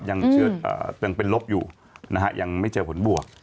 ยังเป็นลบอยู่นะฮะยังไม่เจอผลบวก